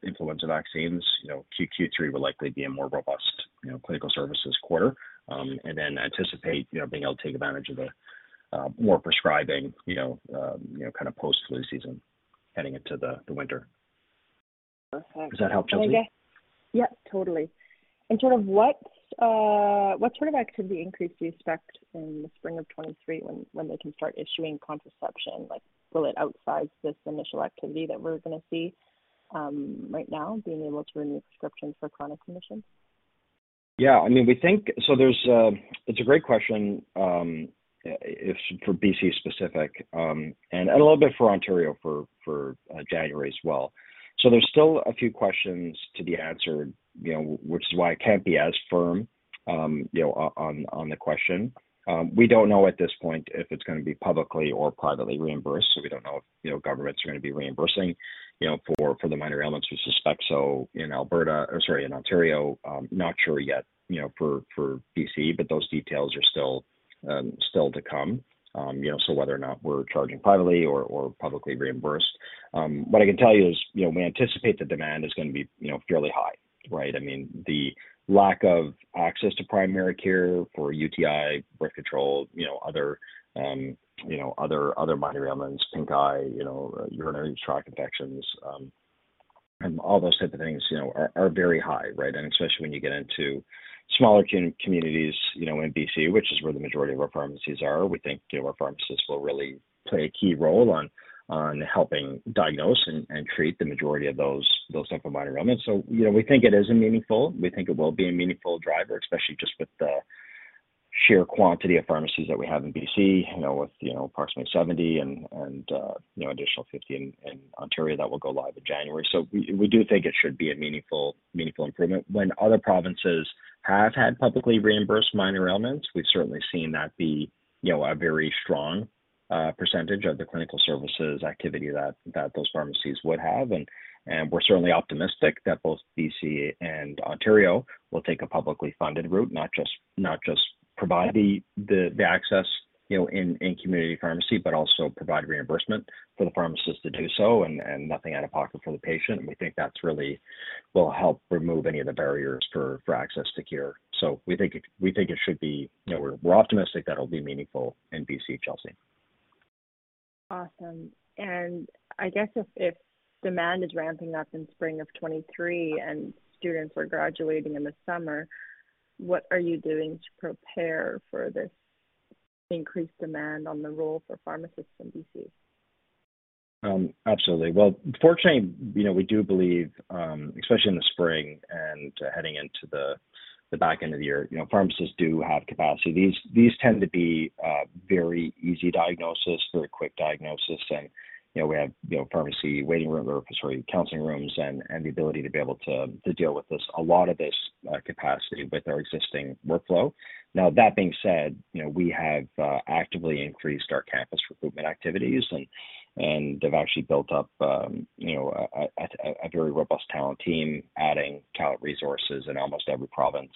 influenza vaccines, you know, Q3 will likely be a more robust, you know, clinical services quarter. anticipate, you know, being able to take advantage of the more prescribing, you know, kind of post-flu season heading into the winter. Perfect. Does that help, Chelsea? Yeah. Totally. In terms of what sort of activity increase do you expect in the spring of 2023 when they can start issuing contraception? Like, will it be outside this initial activity that we're gonna see right now being able to renew prescriptions for chronic conditions? It's a great question if it's for BC specific and a little bit for Ontario for January as well. There's still a few questions to be answered, you know, which is why I can't be as firm, you know, on the question. We don't know at this point if it's gonna be publicly or privately reimbursed, so we don't know if, you know, governments are gonna be reimbursing, you know, for the minor ailments. We suspect so in Alberta or, sorry, in Ontario. Not sure yet, you know, for BC, but those details are still to come. You know, whether or not we're charging privately or publicly reimbursed. What I can tell you is, you know, we anticipate the demand is gonna be, you know, fairly high, right? I mean, the lack of access to primary care for UTI, birth control, you know, other minor ailments, pink eye, you know, urinary tract infections and all those type of things, you know, are very high, right? Especially when you get into smaller communities, you know, in BC, which is where the majority of our pharmacies are. We think, you know, our pharmacists will really play a key role on helping diagnose and treat the majority of those type of minor ailments. We think, you know, it will be a meaningful driver, especially just with the sheer quantity of pharmacies that we have in BC. With approximately 70 and additional 50 in Ontario that will go live in January. We do think it should be a meaningful improvement. When other provinces have had publicly reimbursed minor ailments, we've certainly seen that be a very strong percentage of the clinical services activity that those pharmacies would have. We're certainly optimistic that both BC and Ontario will take a publicly funded route, not just provide the access in community pharmacy, but also provide reimbursement for the pharmacist to do so and nothing out-of-pocket for the patient. We think that's really will help remove any of the barriers for access to care. We think it should be, you know, we're optimistic that it'll be meaningful in BC, Chelsea. Awesome. I guess if demand is ramping up in spring of 2023 and students are graduating in the summer, what are you doing to prepare for this increased demand on the role for pharmacists in BC? Absolutely. Well, fortunately, you know, we do believe, especially in the spring and heading into the back end of the year, you know, pharmacists do have capacity. These tend to be very easy diagnosis, very quick diagnosis and, you know, we have, you know, pharmacy waiting room or sorry, counseling rooms and the ability to deal with this, a lot of this capacity with our existing workflow. Now that being said, you know, we have actively increased our campus recruitment activities and have actually built up, you know, a very robust talent team, adding talent resources in almost every province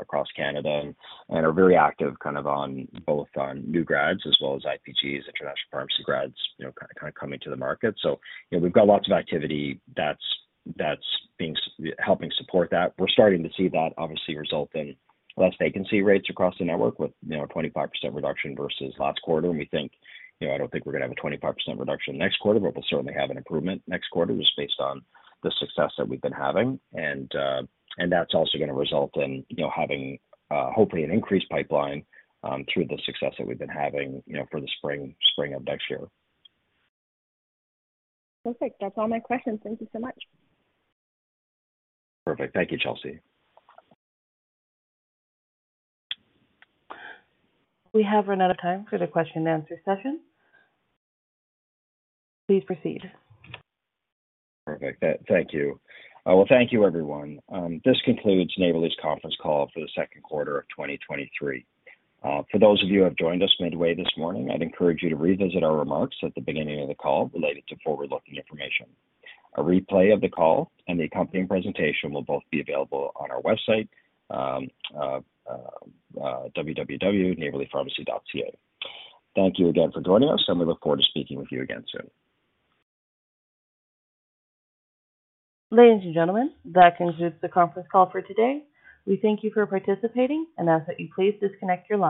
across Canada and are very active kind of on both new grads as well as IPGs, international pharmacy grads, you know, kind of coming to the market. You know, we've got lots of activity that's helping support that. We're starting to see that obviously result in less vacancy rates across the network with, you know, a 25% reduction versus last quarter. We think, you know, I don't think we're gonna have a 25% reduction next quarter, but we'll certainly have an improvement next quarter just based on the success that we've been having. That's also gonna result in, you know, having hopefully an increased pipeline through the success that we've been having, you know, for the spring of next year. Perfect. That's all my questions. Thank you so much. Perfect. Thank you, Chelsea. We have run out of time for the question and answer session. Please proceed. Perfect. Thank you. Well, thank you everyone. This concludes Neighbourly's conference call for the second quarter of 2023. For those of you who have joined us midway this morning, I'd encourage you to revisit our remarks at the beginning of the call related to forward-looking information. A replay of the call and the accompanying presentation will both be available on our website, www.neighbourlypharmacy.ca. Thank you again for joining us, and we look forward to speaking with you again soon. Ladies and gentlemen, that concludes the conference call for today. We thank you for participating and ask that you please disconnect your line.